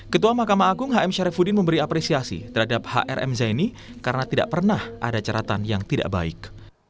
ketua mahkamah agung hm syarifuddin memberi apresiasi terhadap hrm zaini karena tidak pernah ada caratan yang tidak baik